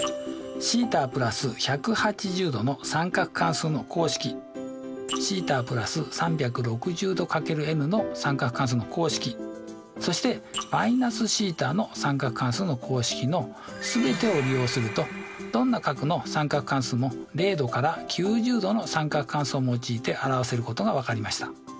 θ＋１８０°の三角関数の公式θ＋３６０°×ｎの三角関数の公式そして−θの三角関数の公式の全てを利用するとどんな角の三角関数も０°から９０°の三角関数を用いて表せることが分かりました。